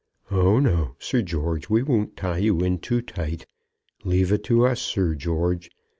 Oh, no, Sir George; we won't tie you in too tight. Leave it to us, Sir George.